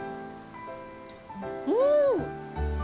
うん！